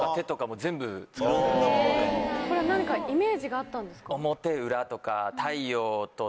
これは何かイメージがあったんですか？